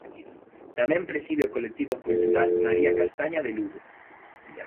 Tamén preside o Colectivo Cultural María Castaña de Lugo.